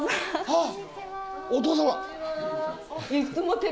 あっお父様！